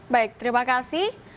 baik terima kasih